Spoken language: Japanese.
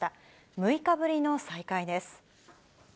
６日ぶりの再開です。